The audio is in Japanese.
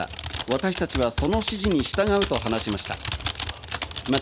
私たちはその指示に従うと話しました。